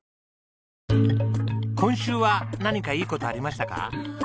今週は何かいい事ありましたか？